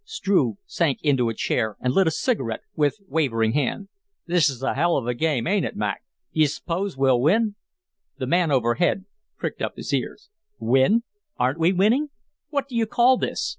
Struve sank into a chair and lit a cigarette with wavering hand. "This's a hell of a game, ain't it, Mac? D'you s'pose we'll win?" The man overhead pricked up his ears. "Win? Aren't we winning? What do you call this?